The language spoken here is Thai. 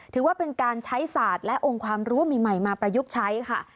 ถือว่าเป็นการใช้ศาสตร์และองค์ความรู้ใหม่มาประยุกต์ใช้ค่ะ